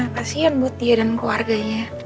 kasian buat dia dan keluarganya